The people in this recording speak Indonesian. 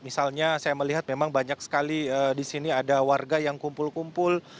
misalnya saya melihat memang banyak sekali di sini ada warga yang kumpul kumpul